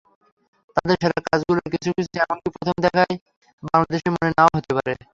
তাঁদের সেরা কাজগুলোর কিছু কিছু—এমনকি প্রথম দেখায় বাংলাদেশি মনে নাও হতে পারে।